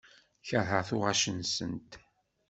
Keṛheɣ tuɣac-nsent.